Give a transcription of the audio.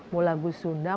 mau lagu sunda